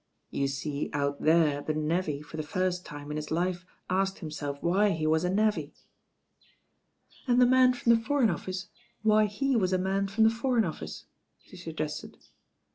"You see out there the navvy for the first time in his life asked himself why he was a navvy." "And the man from the Foreign Office why he was a man from the Foreign Office," she suggested.